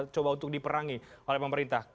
coba untuk diperangi oleh pemerintah